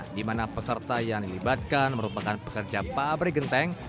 dimana peserta yang dilibatkan merupakan pekerja pabrik genteng